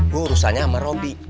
gue urusannya sama robby